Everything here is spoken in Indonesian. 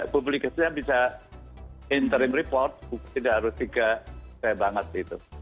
publikasinya bisa interim report tidak harus tiga saya banget gitu